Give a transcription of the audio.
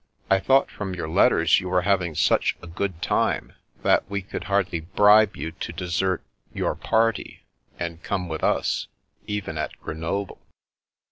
I thought from your letters you were having such a good time, that we could hardly bribe you to desert — ^your party and come with us, even at Grenoble."